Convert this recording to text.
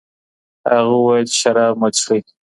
هغه وویل چي شراب مه څښئ.